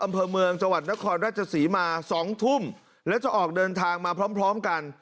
อำเภอเมืองจวัดนครราชสีมาสองทุ่มแล้วจะออกเดินทางมาพร้อมกัน